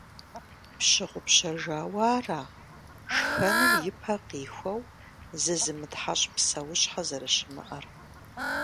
Пщыгъупщэжауэ ара шхэным ипэ къихуэу зызымытхьэщӀ псэущхьэ зэрыщымыӀэр?